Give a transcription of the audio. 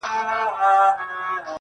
اوس د مطرب ستوني کي نسته پرونۍ سندري!